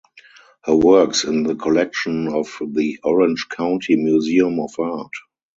Her work is in the collection of the Orange County Museum of Art.